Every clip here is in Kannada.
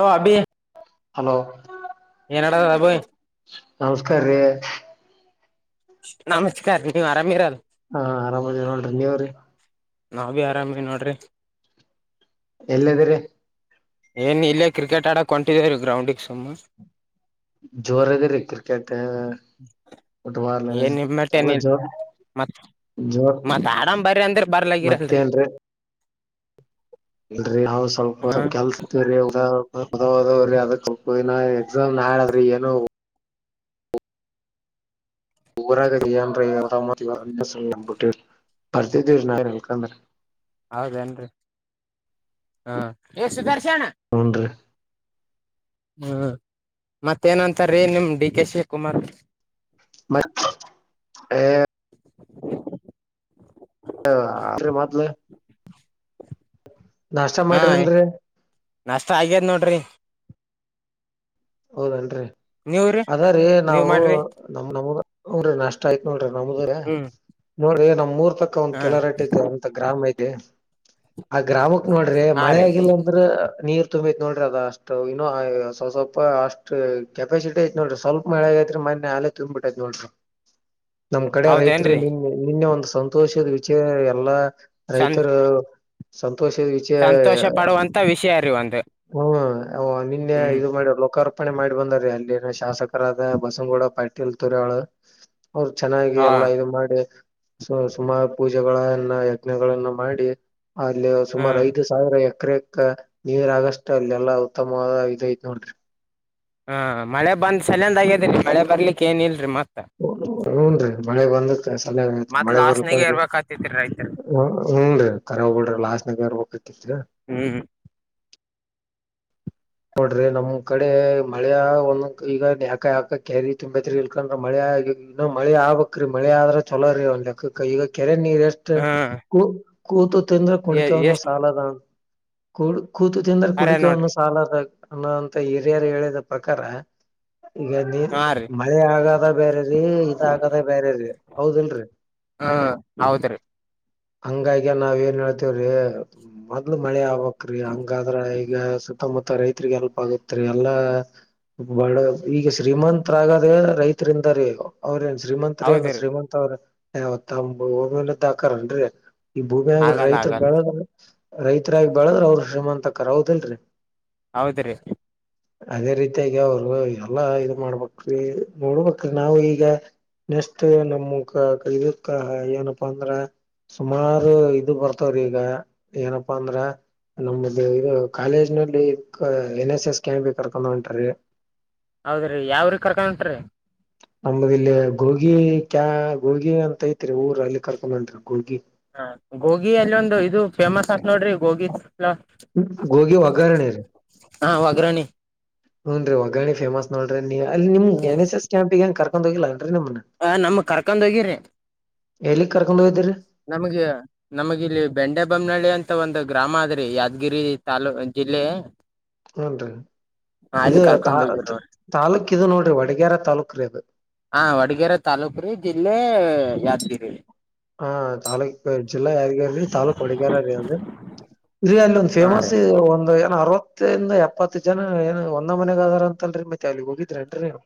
ಹ ಅಭಿ ಹಲೋ ಏನಡ ಅಬ ನಮಸ್ಕಾರೀ ನಮಸ್ಕಾರ ನೀವು್ ಅರಾಮಿರಲ್ ಹಾ ಆರಾಮ ಇದ್ದೀವಿ ರೀ ನೀವು ರಿ ನಾವ ಬಿ ಆರಾಮ ನೋಡ್ರಿ ಎಲ್ಲಿದ್ದೀರಿ ಏನ್ ಇಲ್ಲೇ ಕ್ರಿಕೆಟ್ ಆಡಕ್ ಹೊಟಿದೇವೀ ಗ್ರೌಂಡಿಗೆ ಸುಮ್ಮ ಜೋರ ಇದ ರೀ ಕ್ರಿಕೆಟ್ ಫುಟ್ಬಲ್ ಏನ್ ನಿಮ್ಮಟ್ಟ ಎಲ್ಲ ಏನ್ ಇಲ್ ಜೋರ್ ಮತ್ ಜೋರ್ ಮತ್ ಆಡಾಮ ಬರ ಅಂದ್ರ ಬರ್ಲಗರಲ್ರಿ ಮತ್ತೇನ್ರಿ ಇಲ್ರರಿ ಹ ಸ್ವಲ್ಪ ಹಾ ಸ್ಪ ಕೆಲ್ಸ ದದ ಅದಬ ಎಕ್ಸಾಮ್ ನಾದ್ರಿ ಏನ ಊರಾಗ ಜಿಯಾರ ಯರದಾಮತಿವರ ಸಲ್ಲಂಬುಟ್ಟಿ ಬರ್ತಿದ್ದೀವ ನಾವ ಎಲ್ಕಂದ್ರೆ ಹೌದೇರಿ ಹ ಸುದರ್ಶನ ಹುನ್ರಿ ಹ್ಮ ಮತ್ತೇನಂತಾರೀ ನಿಮ್ ಡಿ ಕೆ ಶಿವಕುಮಾರ್ ಮತ್ತ ಹ ಅ ಮಾತ್ಲ್ಲ ನಾಷ್ಟ ಹಾ ಮಾಡಿರಿ ಇಲ್ರಿ ನಾಷ್ಟ ಆಗ್ಯದ್ ನೋಡ್ರಿ ಹೌದನ್ರಿ ನೀವ್ರಿ ಅದ್ರ ನೀವ್ ನಾವು ಮಾಡ್ರಿ ನಮ ನಮಗ ಅವ್ರ ನಷ್ಟ ಆಯ್ತ ನೋಡ್ರಿ ನಮ್ದ್ರ ಹ್ಮ್ ನೋಡ್ರಿ ನಮ್ ಮೂರ್ ತಕ್ಕ ಒಂದ್ ಹ ಕೆಲರಟ್ಟಿ ಅಂತ ಗ್ರಾಮ ಐತ್ ಆ ಗ್ರಾಮಕ್ ನೋಡ್ರಿ ಹಾ ಮಳೆ ರೀ ಆಗಿಲ್ಲ ಅಂದ್ರ ನೀರ್ ತುಂಬತ್ ನೋಡ್ರಿ ಅದ ಅಷ್ಟು ಇನ್ನುವಲ್ಪ ಸ್ವಲ್ಪ ಅಷ್ಟು ಕೆಪಾಸಿಟಿ ಐತ್ ನೋಡ್ರಿ ಸ್ವಲ್ಪ ಮಳೆ ಆಐತ್ರಿ ಮೊನ್ನೆ ಆಲೆ ತುಂಬ್ಬಿಟ್ಟೈತ್ ನೋಡ್ರಿ ನಮ್ ಕಡೆ ರೈತರಿಗೆ ಹೌದೇನ್ರಿ ನಿನ್ ನಿನ್ನೆ ಒಂದ ಸಂತೋಷದ ವಿಚಯ ಎಲ್ಲಾ ಸಂ ರೈತರು ಸಂತೋಷದ ವಿಷಯ ಸಂತೋಷ ಪಡುವಂತ ವಿಷಯ ರೀ ಒಂದು ಹ್ಮ ನಿನ್ನೆ ಹ್ಮ್ ಇದು ಮಾಡಿ ಲೋಕಾರ್ಪಣೆ ಮಾಡಿ ಬಂದ್ರೀ ಅಲ್ಲಿನ ಶಾಸಕರಾದ ಬಸನಗೌಡ ಪಾಟೀಲ್ ತೋರ ಅವಳು ಅವರು ಚೆನ್ನಾಗಿ ಹಾ ಎಲ್ಲಾ ಇ ಮಾಡಿ ಸುಮಾರ ಪೂಜೆಗಳ ಯಜ್ಗಳನ್ನ ಮಾಡಿ ಅಲ್ಲಿ ಸುಮಾರ ಹ್ಮ್ ಐದು ಸಾವಿರ ಸಕ್ರ ನೀರ್ಗಷ್ಟಟ್ ಅಲ್ಲಿ ಎಲ್ಲಾ ಉತ್ತಮವಾದ ಇದ ಐತ್ ನೋಡಿದ್ರಿ ಹಾ ಮಳೆ ಬಂದ್ ಸಲಂದ ಆಗ್ಯದೀ ಮಳೆ ಬರ್ಲಿಕ್ ಏನ್ ಇಲ್ರರಿ ಮತ್ತ ಹ ಹೂನ್ ರೀ ಮಳೆ ಬಂದತ್ ಸಲಯ ಆತ್ ಮತ್ ಮಳೆ ಲಾಸ್ನಾಗ ಬರ್ಕ್ಕಂದರಿ ಇರ್ಬೇಕಾತಿತ್ರಿ ರೈತರು ಹ ಹನ್ ರೀ ಕಖರ ಹೋಗಬಡಿ ಲಾಸ್ ನಗರ್ ಹೋಗತಿತ್ ಹ್ಮ್ ನೋಡ್ರಿ ನಮ್ ಕಡೆ ಮಳೆ ಒಂದ ಈಗ ಯಾಕ ಯಾಕ ಕ್ಯಾರಿ ತುಂಬತ್ರಿ ಇಲ್ಕ್ರ ಮಳೆ ಈಗ ಇನ್ನ ಮಳೆ ಆಗ್ಬೇಕ್ರೀ ಮಳೆ ಆದ್ರ ಚೊಲೋ ರೀ ಒಂದುಕ್ಕ ಈಗ ಕೆರೆ ನೀರ್ಷ್ಟ ಹಾ ಕ ಕೂತು ತಿಂದ್ರೆ ಕುಣಕೆವನ್ನು ಎಷ್ಟ್ ಸಾಲದ ಕೂ ಕೂತು ತಿಂದ್ರೆ ಅರೆ ಕುಡಿಕೋನ್ನ ನೋಡ್ರಿ ಸಾಲದ ಅನ್ನೋಂತ ಹಿರಿಯರು ಹೇಳಿದ ಪ್ರಕಾರ ಈಗ ನೀ ಹಾ ರೀ ಮಳಿ ಆಗದ ಬ್ಯಾರೆರೀ ಇದ ಆಗದ ಬ್ಯಾರೆ ರೀ ಹೌದಲ್ರಿ. ಹ್ಮ ಹೌದ್ರೀ. ಹಂಗಾಗಿ ನಾವ್ ಏನ್ ಹೇಳ್ತವ್ರಿ ಮೊದ್ಲ ಮಳೆ ಆಗ್ಬೇಕ. ರಿ ಹಂಗಾದ್ರ ಈಗ ಸುತ್ತಮುತ್ತ ರೈತ್ರಿಗ ಹೇಲ್ಪ್ ಆಗತ್ರಿ ಎಲ್ಲಾ ಬಾಳ ಈಗ ಶ್ರೀಮಂತರಾಗದ ರೈತರಿಂದರಿ ಅವ್ರ ಶ್ರೀಮಂತ್ರನ ಹೌದ್ರಿ ಶ್ರೀಮಂತ್ ಅವ್ರ ಅ ತಮ್ಮ ಹಿನದ್ದಾ ಆಕರಂನ್ರೀ. ಈ ಭೂಮ್ಯಾಗ ಆಗಲ್ಲ ರೈತರ ಆಗಲ್ ಬೆಳದ ರೈತರಾಗಿ ಬೆಳದ್ರ ಅವ್ರ ಶ್ರೀಮಂತ ಆಕಾರ ಹೌದಲರಿ. ಹೌದ್ರೀ. ಅದೇ ರೀತಿಯಾಗಿ ಅವರ ಎಲ್ಲಾ ಇದ ಮಾಡಬೇಕ್ರಿ ನಾವ ಈಗ ನೆಸ್ಟ್ ನಮಕ ಕಲಿಕ ಏನಪ್ಪಾ ಅಂದ್ರ ಸುಮಾರು ಇದು ಬರ್ತವ್ರಿ ಈಗ ಏನಪ್ಪಾ ಅಂದ್ರ ನಮ್ದ ಇದ ಕಾಲೇಜ್ ನಲ್ಲಿ ಎನ್ ಎಸ್ ಎಸ್ ಕ್ಯಾಂಪ್ ಕರ್ಕ ಹೊಂಟರೀ. ಹೌದ್ರೀ ಯಾವ್ರಿ ಕರ್ಕೊಂಡ್ಂಟ್ರರಿ. ನಮ್ಮದ ಇಲ್ಲಿ ಗೋಗಿ ಕ್ಯಾ ಗೋಗಿ ಅಂತ ಐತ್ರಿ ಊರ ಅಲ್ಲಿ ಕರ್ಕೊಂಡರಿ ಗೋಗಿ ಹ ಗೋಗಿ ಅಲ್ಲಿ ಒಂದು ಇದು ಫೇಮಸ್ ಅತ್ ನೋಡ್ರಿ ಗೋಗಿದ ಹಲ ಗೋಗಿ ಒಗ್ಗರಣೆ ರೀ ಹ್ನ ವಗ್ರಣಿ ಹುನ್ರಿ ವಗ್ಗನ್ರಿ ಫೇಮಸ್ ನೋಡ್ರಿ ನೀ ಅಲ್ಲಿ ನಿಮಗ್ ಎನ್ ಎಸ್ ಎಸ್ ಕ್ಯಾಂಪ್ ಗ ಏನ್ ಕರ್ಕೊಂಡ ಹೋಗಿಲ್ಲಾ. ಹ ನಮ ಕರ್ಕೊಂಡ ಹೋಗಿರಿ. ಎಲ್ಲಿಗ್ ಕರ್ಕೊಂಡ್ ಹೋಗಿದ್ರಿ ನಮಗೆ ನಮಗಿಲ್ಲಿ ಬೆಂಡೆ ಬೊಮ್ಮ್ನಳ್ಳಿ ಅಂತ ಒಂದ ಗ್ರಾಮ ಅದ್ರಿ ಯಾದಗಿರಿ ತಾಲೂ ಜಿಲ್ಲೆ ಹುನ್ರಿ ಅಲ್ಲಿ ಇದು ತಾ ಕರ್ಕೊಂಡ್ ಹೋಗಿರ ತಾಲೂಕ್ ಇದು ನೋಡ್ರಿ ವಡಗ್ಯರ ತಾಲೂಕ್ರೀ ಅದ ಹಾ ವಡಗರೆ ತಾಲೂಕ್ರಿ ಜಿಲ್ಲೆ ಯಾದಗಿರಿ. ಹಾ ತಾಲೂಕ್ ಜಿಲ್ಲಾ ಯಾರಿಗೆರೀ ತಾಲೂಕ್ ಒಡಗಾರ ರೀ ಅಂದ ರಿ ಅಲ್ಲಿ ಒಂದ್ ಹಾ ರೀ ಫೇಮಸ್ ಒಂದ ಏನ ಅರವ ಇತ್ತನ ಎಪ್ಪತ್ತ ಜನ ಏನ ಒಂದ ಮನೆಗೆದರ ಅಂತಲ್ರಿ ಮತ್ತೆ ಅಲ್ಲಿ ಹೋಗಿದ್ರೇನ್ರಿ ನೀವ್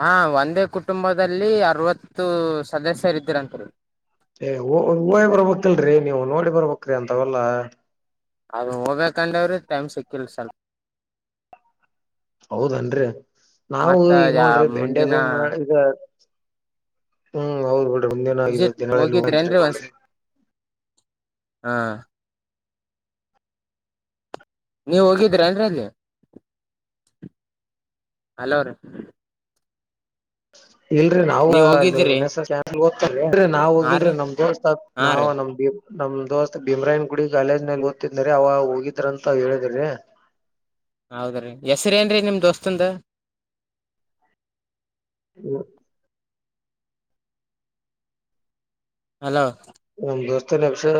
ಹಾ ಒಂದೇ ಕುಟುಂಬದಲ್ಲಿ ಅರವತ್ತು ಸದಸ್ಯರಿದ್ರಂತರಿ. ಏ ಹ ಊವ ಬರ್ಬೇಕಕ್ಲ್ರರಿ ನೀವು ನೋಡಿ ಬರ್ಬೇಕ್ರಿ ಅಂತವಲ್ಲ. ಅದ ಹೋಗ್ಬೇಕಂದವ್ರಿ ಟೈಮ್ ಸಿಕ್ಕಲ್ ಸ್ಲ್ ಹೌದನ್ರಿ ನಾವು ಮತ್ತ ಈಗ ಯ ನೋಡ್ರಿ ಬೆಂಡೆ ಮುಂದಿನ ದ ಈಗ ಹ್ಮ ಹೌದ ಬಿಡ್ರಿ ಮುಂದಿನ ವಿಸಿಟ್ ಹೋಗಿದ್ರೇನ್ರಿ ಒಂದ್ಸ ತಿಂಗಳಲ್ಲಿ [unintelligible] ಹಾ ನೀವ್ ಹೋಗಿದ್ರಿ ಏನ್ರಿ ಅಲ್ಲಿ ಹಲೋ ರೀ ಇಲ್ರಿ ನಾವು ನೀವ್ ಅಲ್ಲಿ ಹೋಗಿದ್ರಿ ಎನ್ ಎಸ್ ನಾವ್ ಹಾ ಹೋಗಿಲ್ರಿ ರೀ ನಮ್ ದೋಸ್ತ ಹಾ ನಾವು ರೀ ನಮ್ ನಮ್ ದೋಸ್ತ ಭೀಮ್ರಾಯನ್ ಗುಡಿ ಕಾಲೇಜ್ ನಲ್ಲಿ ಓದ್ತಿದ್ನೀ ಅವಗ ಹೋಗಿದ್ರ ಅಂತ ಹೇಳಿದ್ರಿ. ಹೌದ್ರೀ ಹೆಸ್ರ ಏನ್ರೀ ನಿಮ್ ದೋಸ್ತಂದ. ಹ್ಮ. ಹಲೋ ನಮ್ಮ ದೋಸ್ತನ ಅಕ್ಷರ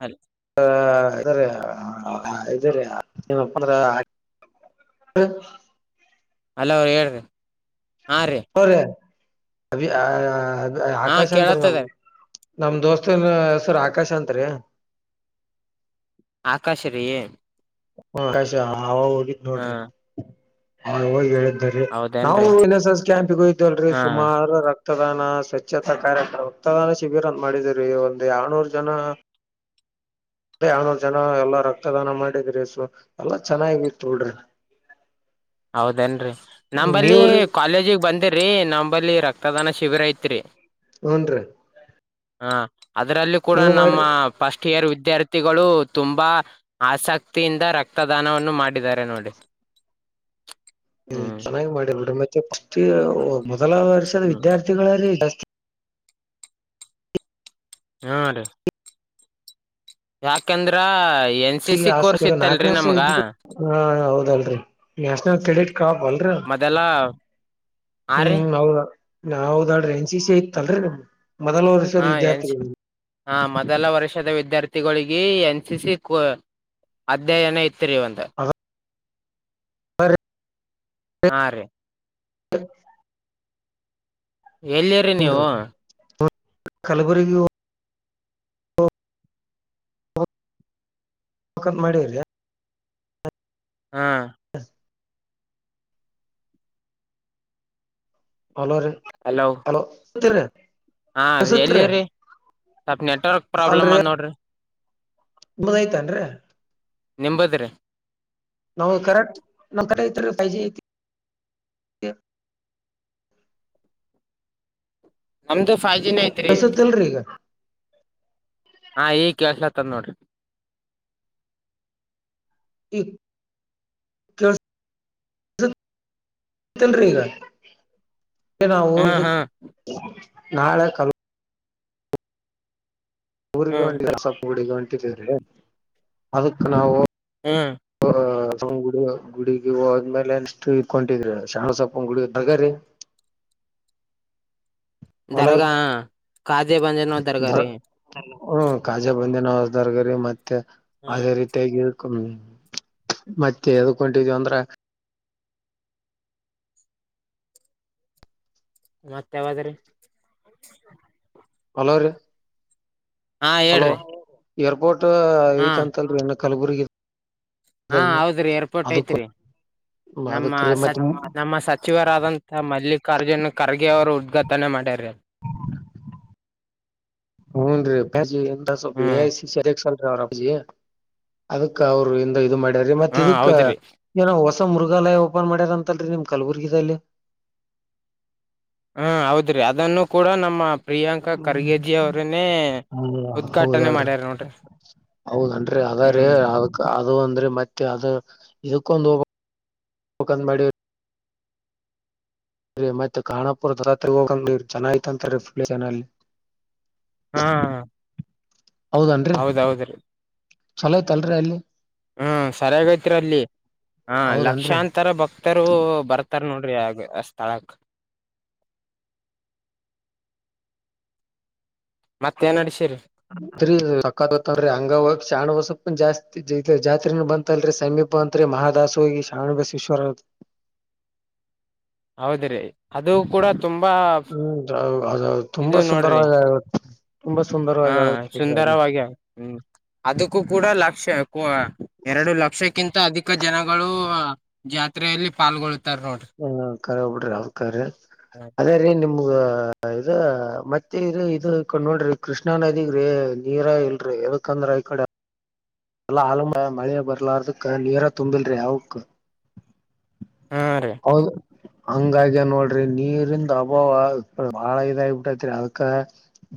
ಹಲ [unintelligible] [unintelligible] ಹಲೋ ಹೇಳ್ರಿ. ಹಾ ರೀ ಹೋರ ಅ ಅದ ಹಾ ಆಕಾಶ ಅಂತ್ರ ನಮ್ ಕೇಳತ್ತದ ನಮ ದೋಸ್ತನ ಹೆಸರ ಆಕಾಶ ಅಂತ್ರಿ. ಆಕಾಶ ರಿ ಆಕಾಶ ಆ ಹೋಗಿತ್ ನೋಡ್ರಿ ಹೋಗಿ ಹೇಳ್ ರಿ ನಾವು ಹೌದೇನ್ರಿ ಎನ್ ಎಸ್ ಎಸ್ ಕ್ಯಾಂಪಯ್ದವಲ್ರರಿ ಹಾ ಸುಮಾರ ರ ಕ್ತದಾನ ಸ್ವಚ್ಛತಾ ಕಾರ್ಯಕ್ರ ರಕ್ತದಾನ ಶಿಬಿರ ಅಂತ ಮಾಡಿದುರಿ ಒಂದು ಯಳ್ನೂರ ಜನ ಅ ಯಾನರು ಜನ ಎಲ್ಲಾ ರಕ್ತದಾನ ಮಾಡಿದ್ರಿ ಸ ಎಲ್ಲಾ ಚೆನ್ನಾಗಿತ್ತ ಬಿಡ್ರಿ. ಹೌದನ್ರಿ ನಂಬಲ್ಲಿ ನೀವ್ರಿ ಕಾಲೇಜಿಗ ಬಂದಿರ್ರಿ ನಮ ಬಲ್ಲಿ ರಕ್ತದಾನ ಶಿಬಿರ ಐತ್ರಿ. ಹ್ನ್ ರೀ. ಹ ಅದ್ರಲ್ಲಿ ಕೂಡ ನಮ್ಮ ಫಸ್ಟ್. ಕೆರ ವಿದ್ಯಾರ್ಥಿಗಳು ತುಂಬಾ ಆಸಕ್ತಿಯಿಂದ ರಕ್ತದಾನವನ್ನು ಮಾಡಿದ್ದಾರೆ ನೋಡಿ. [inaudible] ಹ್ಮ್ ಚೆನ್ನಾಗಿ ಮಾಡಿರಿ ಬಿಡ್ರಿ ಮತ್ತ [unintelligible] ಮೊದಲ ವರ್ಷದ ಹ್ಮ್ ವಿದ್ಯಾರ್ಥಿಗಳರಿ. [unintelligible] ಹ ರೀ. ಯಾಕಂದ್ರ. ಎನ್ ಸಿ ಈಗ ಸಿ ಕೋರ್ಸ್ ಹಸಗರ ನಾಕನೇ ಇತ್ತಲ್ರಿ ವರ್ಷ ನಮ್ಗ ಇದ್ದಿದ್ದಕ್ಕ ಹ ಹೌದಲ್ರಿ ನ್ಯಾಷನಲ್ ಕ್ರೆಡಿಟ್. ಕಬ ಅಲ್ರಿ ಅದ ಮೊದಲ ಆ ರೀ ಹ್ಮ್ ಹೌದ. ಹೌದ ಅಲ್ರೀ ಎನ್ ಸಿ ಸಿ ಇತ್ತಲ್ರರಿ ನಮ್ ಮೊದಲ ವರ್ಷದ ವಿದ್ಯಾರ್ಥಿಗಳು. ಹಾ ಮೊದಲ ವರ್ಷದ ವಿದ್ಯಾರ್ಥಿಗಳಿಗೆ ಎನ್ ಸಿ ಸಿ ಕೊ ಅಧ್ಯಯನ ಇತ್ತ. ತ್ರಿ ಒಂದ. [unintelligible] ಹಾ ರೀ. [unintelligible] ಎಲ್ಲಿರಿ ನೀವು. ಕಲಬುರ್ಗಿ ಓ ಓ ಓ. ಹೋಗ್ ಕಂತ ಮಾಡೀವ್ರಿ. ಹಾ. ಹಲೋ ರೀ ಹಲೋ [unintelligible] ಹಾ ಕೇಳಸತ್ರಿ ಎಲ್ಲಿವ್ರಿ ಸ್ವಲ್ ನೆಟ್ವರ್ಕ್ ಪ್ರಾಬ್ಲಮ್ ಅದ ನೋಡ್ರಿ. ನಿಂಬದ ಆಯಿತೇನ್ರಿ. ನಿಂಬದ್ರಿ. ನಾವು ಕರೆಕ್ಟ್ ನಮ್ ಕಡೆ ಐತ್ರಿ ಫೈವ್ ಜಿ ಐತಿ. ನಮ್ದು ಫೈವ ಜಿ ನ ಐತ್ ರೀ. ಕೆಳ್ಸತ್ತಲ್ರಿ ಈಗ ಹಾ ಈಗ ಕೇಳಸಲತದ ನೋಡ್ರಿ. ಈಗ ಕೇಳಸ. ಆಯಿತೆಲ್ರಿ ಈಗ ನಾವು ಹ್ಮ್ ಇದಕ ಹ್ಮ್ ನಾಳೆ ಕಲ ಊರಿಗೆ ಹ್ಮ್ ಹೊಂಟಿದೇವ ಸ್ವಲ್ಪ ಗುಡಿಗ ಹೊಂಟಿದೀವರಿ ಅದಕ್ ನಾವು. ಹ. [unintelligible] ಗುಡಿ ಗುಡಿಗಿ ಹೋದ್ಮೇಲೆ ನೆಕ್ಸ್ಟ್ ಇದಕ ಹೊಂಟಿವ ಶಣ ಸೊಪ್ಪ ಗುಡಿ ಇದ್ದಾಗರಿ. [inaudible] ಹೊಲವ್ರಿ ದರ್ಗಾ ಕಾದಿ ಬಂಜನ ನೋ ದರಗ ರೀ. ಹ್ಮ ಕಾಜಾ ಬಂದಿನೋ ದರ್ಗರಿ ಮತ್ತೆ ಹ್ಮ್ ಅದೇ ರೀತಿಯಾಗಿ. ಹ್ಮ ಮತ್ತ ಎದಕ ಹೊಂಟಿದಿವ ಅಂದ್ರ. ಮತ್ತ ಯಾವಾದ್ರೀ. ಹಲೋ ರಿ. ಹಾ ಹೇಳ್ರೀ. ಏರ್ಪೋರ್ಟ್ ಐತಿ ಅಂತ ಅಲ್ರಿ ಏನೋ ಕಲಬುರ್ಗಿಗಿ. ಹಾ ಹೌದ್ರಿ ಏರ್ಪೋರ್ಟ್ ಐತ್ರಿ. ನಮ್ಮ ಅದಕ್ರಿ ಸ ಮತ್ತೆ ನಮ್ಮ ಸಚಿವರಾದಂತ ಮಲ್ಲಿಕಾರ್ಜುನ್ ಖರ್ಗೆ ಅವರು ಉದ್ಘಾಟನೆ ಮಾಡ ಡ್ಯಾರಿ. ಹೂನ್ರಿ ಹ್ಮ್ [unintelligible] ಅದಕ್ಕ ಅವರು ಇಂದ ಇದು ಮಾಡ್ಯರಿ ಮತ್ತ ಹಾ ಇದಕ್ಕ ಹೌದ್ರಿ ಏನೋ ವಸ ಸ ಮೃಗಾಲಯ ಓಪನ್ ಮಾಡ್ಯಾರ ಅಂತಲ್ರರಿ ನಿಮ್ ಕಲಬುರ್ಗಿ ದಲ್ಲಿ. ಹಾ ಹೌದ್ರಿ ಅದನ್ನು ಕೂಡ ನಮ್ಮ. ಪ್ರಿಯಾಂಕಾ ಖರ್ಗೇಜಿ ಅವ್ರನೇ ಉದ್ಘಾಟನೆ ಮಾಡ್ಯಾರ ನೋಡ್ರಿ. ಹೌದ ಅನರೀ ಅದರಿ ಹ್ಮ್ ಅದಕ [unintelligible] ಅದು ಅಂದ್ರೆ ಮತ್ತೆ ಅದು ಇದಕ್ಕೊಂದು ಹೋಗ್ ಬೇಕ್ ಅಂತ ಮಾಡೆವ. ಮತ್ತೆ ಕಾನಾಪುರ [unintelligible] ಹೋಗಬೇಕ್ ಅಂದಿವಿ ಚೆನಾಯತಂತೀ ಫು ಜನಲ್ಲಿ. ಹಾ ಹೌದನ್ರಿ ಹೌದೌದ ರೀ ಚಲೋ ಐತಲ್ರರಿ ಅಲ್ಲಿ ಹ್ಮ ಸರಿಯಾಗೈತ್ರಿ ಅಲ್ಲಿ ಹ ಹೌದನ್ರಿ ಲಕ್ಷಾಂತರ ಭಕ್ತರು ಬರ್ ತರ್ ನೋಡ್ರಿ ಆಗ ಸ್ಥಳಕ್ ಮತ್ತೇನ್ಡಶೀರಿ ರಿ ಸತ್ರಿ ಹಂಗ ಚ ಸ್ವಪ ಜಾಸ್ತಿ ಜಾತ್ರೆನ ಬಂತಲ್ರರಿ ಸಮೀಪ ಅಂತ್ರೆ ಮಹದಾಸ ಹೋಗಿ ಶ್ರಾವಣ ಬಸೇಶ್ವರ ಹೌದ್ರಿ ಅದು ಕೂಡ ತುಂಬಾ ಹ್ಮ್ ಅವ್ ಅದು ಇದು ತುಂಬಾ ನೋಡ್ರಿ ಸುಂದರವಾಗಿ ತುಂಬಾ ಹಾ ಸುಂದರವಾಗಿ ಆಗತ್ ಬಿಡ್ರಿ ಅದ್ನ ಸುಂದರವಾಗಿ ಹ್ಮ್ ಅದಕ್ಕೂ ಕೂಡ ಲಕ್ಷ್ಯ ಎರಡು ಲಕ್ಷಕ್ಕಿಂತ ಅಧಿಕ ಜನಗಳು ಜಾತ್ರೆಯಲ್ಲಿ ಪಾಲ್ಗೊಳ್ಳುತ್ತ ಉತ್ತರ್ ನೋಡ ಕ ಹೋಗ್ಬಿಡ್ರಿ ಅವಕ ಅದೇ ರೀ ನಿಮ್ಗ ಇ ಮತ್ತೆ ಇ ಇದು ಕೊಂಡ್ ನೋಡ್ರಿ ಕೃಷ್ಣಾ ನದಿಗ್ರೀ ನೀರ ಇಲ್ರಿ ಯದಕಂದ್ರ ಆಯತ ಅಡ ಎಲ್ಲಾ ಆಳಮ ಮಳೆಯ ಬರ್ಲಾರದಕ್ಕ ನೀರಾ ತುಂಬಿಲ್ರಿ ಯಕ್ ಹ್ಮ ರೀ ಹಂಗಾಗಿ್ಯ ನೋಡ್ರಿ ನೀರಿಂದ ಅಭಾವ ಬಾಳ ಇದಾಗಿಬಿಟ್ಟೈತ್ರಿ ಅದಕ್ಕ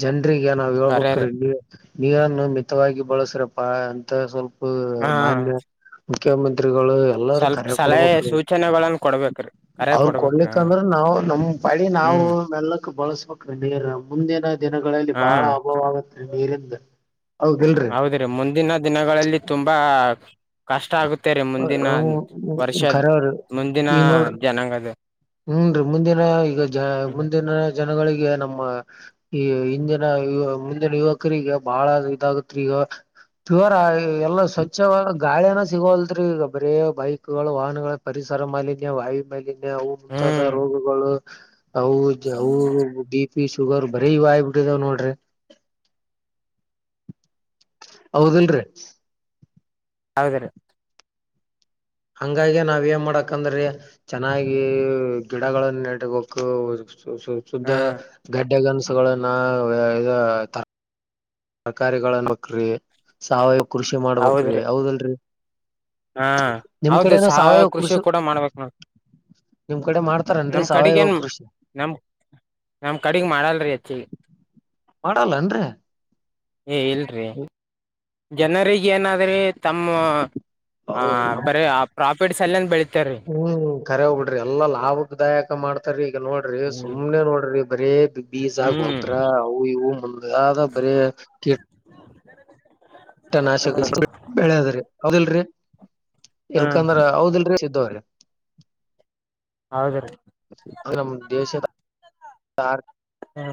ಜನ್ ಈಗ ನಾವ್ ಕರೆ ರೀ ಹೇಳ್ಬ್ರೀ ನೀ ನೀರನ್ನು ಮಿತವಾಗಿ ಬಳಸ್ರಪ್ಪಾ ಅಂತ ಸ್ವಲ್ಪ ಹ್ಮ್ ಮುಖ್ಯಮಂತ್ರಿ ಎಲ್ಲಾರ ಕರೆ ಕೊಡ್ಬೇಕ ಸೂಚನೆಗಳನ್ನ ಕೊಡ್ಬೇಕ್ರಿ ಕರೆ ಅವರು ಕೊಡ್ಬೇಕ್ರಿ ಹ ಕೊಡ್ಲಿಕ್ಕಂದ್ರೆ ನಾವು ನಮ ಮಾಡ ನಾವು ಹ್ಮ್ ಮೆಲ್ಲಕ್ಕ ಬಳಸ ನೀರ್ ಮುಂದಿನ ದಿನಗಳಲ್ಲಿ ಹಾ ಬಾಳ ಅಭಾವ ಆಗತ್ೆ ನೀರಿಂದ ಹೌದಿಲ್ರಿ ಹೌದ್ರೀ ಮುಂದಿನ ದಿನಗಳಲ್ಲಿ ತುಂಬಾ ಕಷ್ಟ ಆಗುತ್ತ ಮುಂದಿನ ವರ್ಷ ಮುಂದಿನ ಜನಾಂಗ ಅದ ಹ್ಮ ರೀ ಮುಂದಿನ ಈಗ ಜ ಮುಂದಿನ ಜನಗಳಿಗೆ ನಮ್ಮ ಈ ಹಿಂದಿನ ಯ ಮುಂದಿನ ಯುವಕರಿಗೆಗ ಬಹಳ ಇದಾಗತ್ ಈಗ ಜವರ ಎಲ್ಲಾ ಸ್ವಚ್ಛ ಗಾಳಿಯನ ಸಿಗೋಲ್ ಈಗ ಬರೇ ಬೈಕ್ ಗಳು ವಾಹನಗಳ ಪರಿಸರ ಮಾಲಿನ್ಯ ವಾಯು ಮೇಲಿನ್ ಅವು ಮುಂತಾದ ಹ್ಮ್ ರೋಗಗಳು ಹೌ ಹೌ ಪಿ ಶುಗರ್ ಬರೀ ಇವಾಯ್ಬಿಟ್ಟಿದಾವ್ ನೋಡ್ರಿ ಹೌದಲ್ರಿ ಹೌದರ ಹಂಗಾಗಿ ನಾವ ಏನ್ ಮಾಡಕಂದ್ರೆ ಚೆನ್ನಾಗಿ ಗಿಡಗಳನ್ನ ನೆಟ್ಟಕ ಸ ಸುದ್ದ ಹಾ ಗಡ್ಡೆಗನಸುಗಳನ್ನ ಇದ ತರ್ಕಾರಿಗಳನ್ಬಕ್್ರಿ ಸಾವಯವ ಕೃಷಿ ಮಾಡ್ಬಕ್್ರಿ ಹೌದ್ರಿ ಹೌದಲ್ರರಿ ಹಾ ನಿಮ್ ಹೌದು ಕಡೆನ ಸಹ ಸಾವಯವ ಕೃಷಿ ಕೂಡ ಮಾಡ್ಬೇಕು ನಾ ನಿಮ್ ಕಡೆ ಮಾಡ್ತಾರನ್ರರಿ ಸಾವಯವ ಕೃಷಿ ನಮ್ ನಮ್ ಕಡೆಗ್ ಮಾಡಲ್ರಿ ಹೆಚ್ಚಿ ಮಾಡಲ್ಲ ಅಂದ್ರೆ ಏ ಇಲ್ರಿ ಜನರಿಗೆ ಏನಾದ್ರೆ ತಮ್ಮ ಆ ಅವು ನಮ್ ಬರ ಪ್ರಾಫಿಟ್ಸ್ಲ್ಲಂದ ಬೆಳ ಹ್ಮ್ ಕರೆ ಹೋಗ್ಬಿಡ್ರಿ ಎಲ್ಲಾ ಲಾಭಕ್ದಾಯಕ ಮಾಡ್ತಾರಿೀ ಈಗ ನೋಡ್ರಿ ಹ್ಮ್ ಸುಮ್ನೆ ನೋಡ್ರಿ ಬರೇ ಬೀಜ ಹ್ಮ್ ಗೊಬ್ಬ್ರ ಅವು ಇವು ಮುಂದಾದ ಬರ ಕ ಬರ ಪಟ್ಟ ನಾಶಿಸಿ ಬೆಳದ್ರಿ ಹೌದಿಲ್ರರಿ ಹಾ ಎಲ್ಕಂದ್ರ ಹೌದಲ್ ಇದವ್ರ ಹೌದ್ರೀ ನ ದೇಶಾರ್ ಹ್ಮ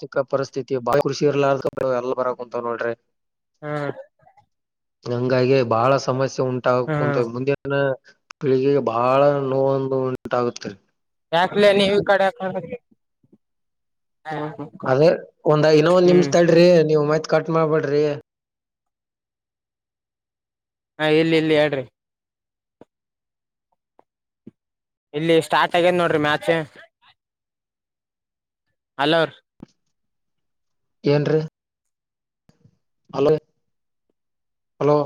ಚಿಕ್ಕ ಪರಿಸ್ಥಿತಿ ಬಾ ಕೃಷಿ ಇರ್ಲಾರ ಎಲ್ಲ ಬರ ಕುಂಂತ ನೋಡ್ರಿ ಹ್ಮ ಹಂಗಾಗಿ ಬಾಳ ಸಮಸ್ಯೆ ಉಂಟಾಗ ಹ್ಮ್ ಕುಂತ ಮುಂದ ಪೀಳಿಗೆಗೆ ಬಹಳ ನೋೊಂದು ಉಂಟಾಗುತ್ತುತ್ತದೆ ಾಕ್ಲ ನೀ ಈ ಕಡೆ ಅದೇ ಒಂದ್ ಇನ್ನೊ ಒಂದ್ ಹ್ಮ್ ನಿಮಷ ತಡ್ರಿ ನೀವು್ ಮೈತ್ ಕಟ್ ಮಾಡ್ಬೇಡ್ರಿ ಹಾ ಎಲ್ಲಿ ಎಲ್ಲಿ ಹೇಳಡ್ರಿ ಇಲ್ಲಿ ಸ್ಟಾರ್ಟ್ ಆಗ್ಯದ ನೋಡ್ರಿ ಮ್ಯಾಚ ಅಲರ್ ಏ ಅಲೇ ಹಲೋ